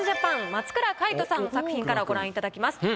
松倉海斗さんの作品からご覧いただきます。